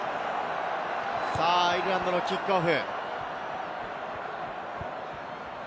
アイルランドのキックオフ。